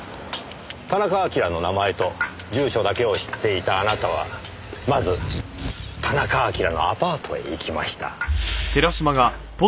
田中晶の名前と住所だけを知っていたあなたはまず田中晶のアパートへ行きました。